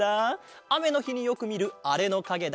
あめのひによくみるあれのかげだぞ。